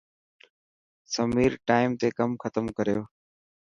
سمير ٽائم تي ڪم ختم ڪريو.